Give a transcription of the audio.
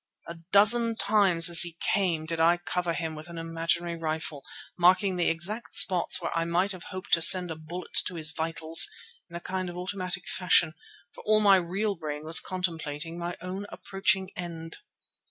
A dozen times as he came did I cover him with an imaginary rifle, marking the exact spots where I might have hoped to send a bullet to his vitals, in a kind of automatic fashion, for all my real brain was contemplating my own approaching end.